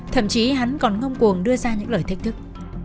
thậm chí hắn còn ngông cuồng đưa ra những lời thách thức